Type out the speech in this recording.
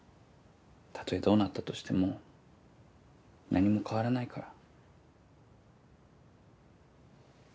たとえどうなったとしても何も変わらないから。